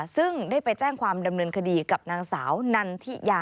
ซึ่งได้ไปแจ้งความดำเนินคดีกับนางสาวนันทิยา